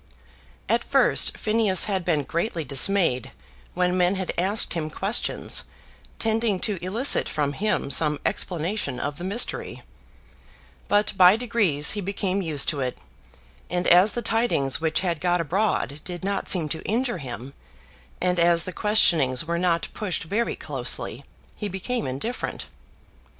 At first, Phineas had been greatly dismayed when men had asked him questions tending to elicit from him some explanation of the mystery; but by degrees he became used to it, and as the tidings which had got abroad did not seem to injure him, and as the questionings were not pushed very closely, he became indifferent.